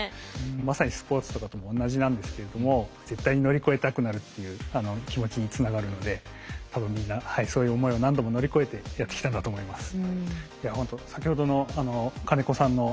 まさにスポーツとかとも同じなんですけれども絶対に乗り越えたくなるっていう気持ちにつながるので多分みんなそういう思いを何度も乗り越えてやってきたんだと思います。